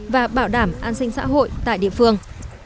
và bảo đảm an sinh xã hội tại địa phương